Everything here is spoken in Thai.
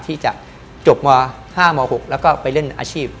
ที่จะจบม๕ม๖แล้วก็ไปเล่นอาชีพ